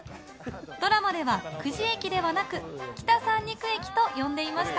ドラマでは久慈駅ではなく北三陸駅と呼んでいました。